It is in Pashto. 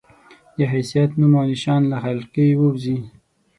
د حيثيت، نوم او نښان له حلقې ووځي